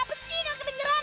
apa sih gak kedengeran